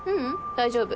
大丈夫。